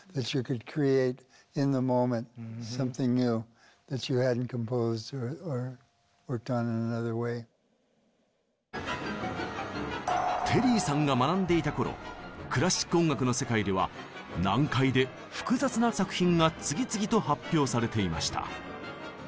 どこかテリーさんが学んでいた頃クラシック音楽の世界では難解で複雑な作品が次々と発表されていました。